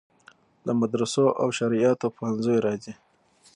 له مدرسو او شرعیاتو پوهنځیو راځي.